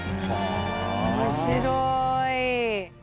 面白い。